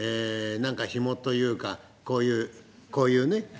何か紐というかこういうこういうね。